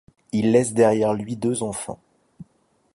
Il laisse derrière lui deux enfants.